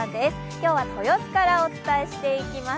今日は豊洲からお伝えしていきます。